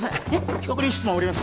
被告人質問終わります